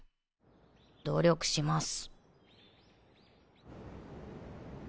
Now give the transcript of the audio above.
努力します。